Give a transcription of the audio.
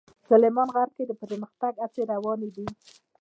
سلیمان غر کې د پرمختګ هڅې روانې دي.